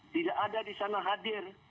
tidak ada di sana hadir